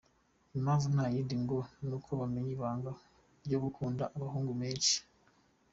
Impamvu nta yindi ngo nuko bamenye ibanga ryo gukunda abahungu benshi.